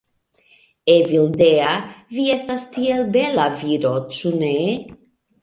"Evildea, vi estas tiel bela viro, ĉu ne?